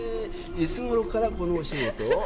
いつごろからこのお仕事を？